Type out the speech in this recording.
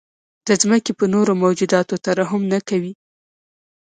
د ځمکې په نورو موجوداتو ترحم نه کوئ.